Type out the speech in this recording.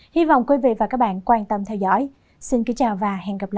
hy vọng quý vị và các bạn quan tâm theo dõi xin kính chào và hẹn gặp lại